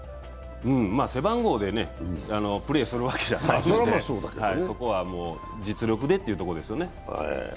背番号でプレーするわけじゃないので、そこはもう、実力でってことですよね。